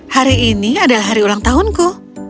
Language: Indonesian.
hari ini adalah hari ulang tahunku